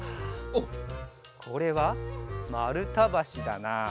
おっこれはまるたばしだな。